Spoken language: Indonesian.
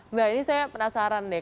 mbak ini saya penasaran deh